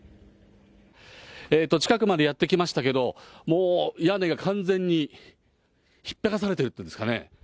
近くまでやって来ましたけれども、もう屋根が完全にひっぺがされているっていうんですかね。